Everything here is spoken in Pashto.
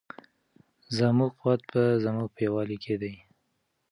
زموږ قوت په زموږ په یووالي کې دی.